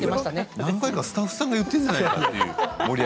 何回かスタッフさんが言っているんじゃないかって。